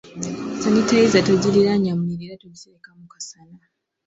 Sanitayiza togirinaanya muliro era togitereka mu kasana.